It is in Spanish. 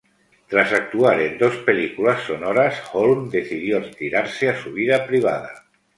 Tras actuar en dos películas sonoras, Holm decidió retirarse a su vida privada.